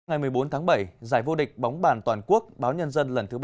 ngày một mươi bốn tháng bảy giải vô địch bóng bàn toàn quốc báo nhân dân lần thứ ba mươi